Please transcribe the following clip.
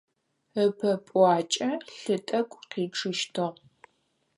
Ыпэ пӏуакӏэ лъы тӏэкӏу къичъыщтыгъ.